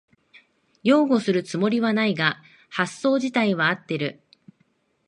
擁護するつもりはないが発想じたいは合ってる